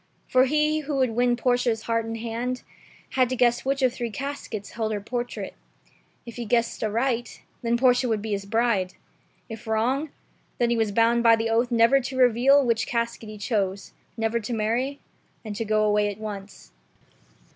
For he who would win Portia's heart and hand, had to guess which of three caskets held her portrait. If he guessed aright, then Portia would be his bride; if wrong, then he was bound by oath never to reveal which casket he choose, never to worry, and to go away at once.